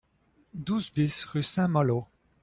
douze BIS rue Saint-Malo